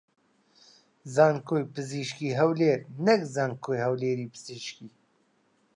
زانکۆی پزیشکیی هەولێر نەک زانکۆی هەولێری پزیشکی